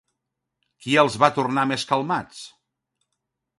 Qui els va tornar més calmats?